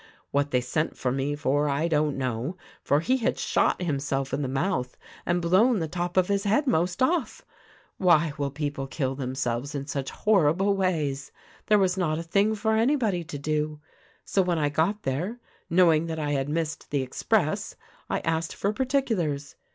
What they sent for me for I don't know ; for he had shot himself in the mouth and blown the top of his head most off. Why will people kill themselves in such horrible ways! There was not a thing for anybody to do; so when I got there — knowing that I had missed the express — I asked for particulars.